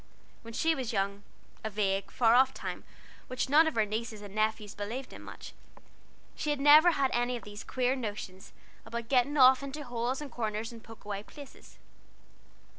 When she was young (a vague, far off time, which none of her nieces and nephews believed in much), she had never had any of these queer notions about getting off into holes and corners, and poke away places.